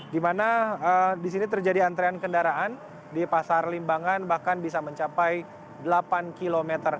di mana di sini terjadi antrean kendaraan di pasar limbangan bahkan bisa mencapai delapan km